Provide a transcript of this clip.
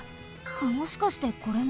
もしかしてこれも？